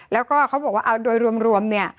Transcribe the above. แล้วก็เขาบอกว่าเอาโดยรวมเนี่ย